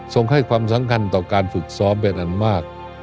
ให้ความสำคัญต่อการฝึกซ้อมเป็นอันมาก